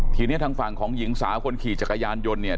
ทีนี้ทางฝั่งของหญิงสาวคนขี่จักรยานยนต์เนี่ย